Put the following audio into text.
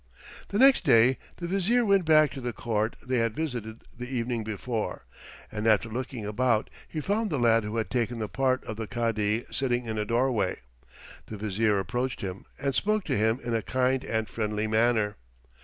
The next day the Vizier went back to the court they had visited the evening before, and after looking about he found the lad who had taken the part of the Cadi sitting in a doorway. The Vizier approached him and spoke to him in a kind and friendly manner.